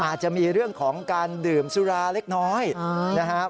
อาจจะมีเรื่องของการดื่มสุราเล็กน้อยนะครับ